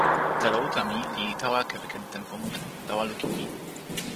telo uta mi li tawa kepeken tenpo mute, tawa lukin mi.